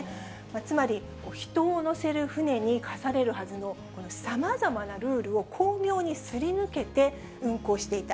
つまり、人を乗せる船にかされるはずのさまざまなルールを巧妙にすりぬけて運航していた。